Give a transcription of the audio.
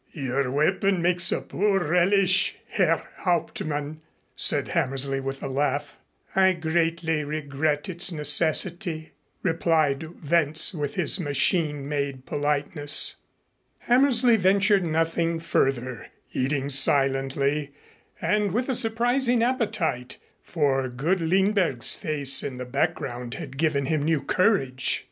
"Your weapon makes a poor relish, Herr Hauptmann," said Hammersley with a laugh. "I greatly regret its necessity," replied Wentz with his machine made politeness. Hammersley ventured nothing further, eating silently, and with a surprising appetite, for good Lindberg's face in the background had given him new courage.